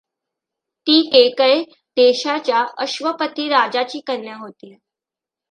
ती केकय देशाच्या अश्वपति राजाची कन्या होती.